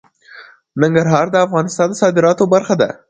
ننګرهار د افغانستان د صادراتو برخه ده.